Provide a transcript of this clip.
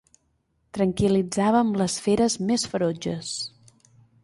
Tranquil·litzàvem les feres més ferotges.